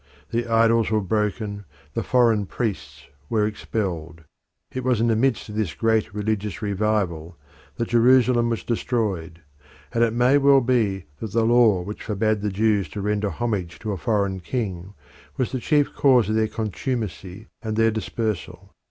The idols were broken, the foreign priests were expelled. It was in the midst of this great religious revival that Jerusalem was destroyed, and it may well be that the law which forbade the Jews to render homage to a foreign king was the chief cause of their contumacy and their dispersal.